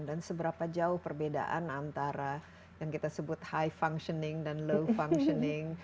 dan seberapa jauh perbedaan antara yang kita sebut high functioning dan low functioning